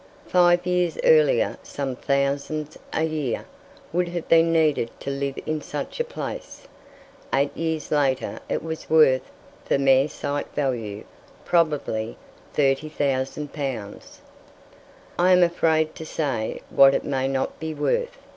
Five years earlier some thousands a year would have been needed to live in such a place. Eight years later it was worth, for mere site value, probably 30,000 pounds. I am afraid to say what it may now be worth.